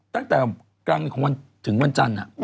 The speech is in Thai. ตั้งแต่กลางของวันถึงวันจันทร์